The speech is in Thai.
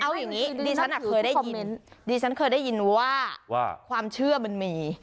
เอาอย่างนี้ดีฉันเคยได้ยินว่าความเชื่อมันมี